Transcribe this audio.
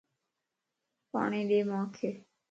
پاڻي ڏي مانک